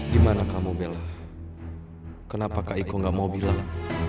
di mana kamu bella kenapa kak iko enggak mau bilang